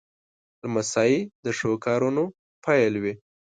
لمسی د ښو کارونو پیل وي.